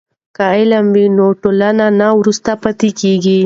که علم وي نو ټولنه نه وروسته پاتې کیږي.